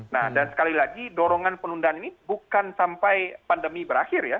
nah dan sekali lagi dorongan penundaan ini bukan sampai pandemi berakhir ya